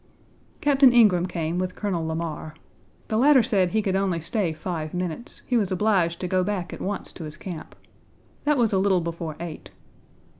Captain Ingraham came with Colonel Lamar.1 The latter said he could only stay five minutes; he was obliged to go back at once to his camp. That was a little before eight.